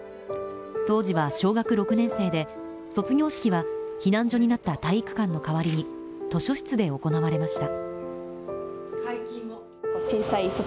当時は小学６年生で卒業式は避難所になった体育館の代わりに図書室で行われました。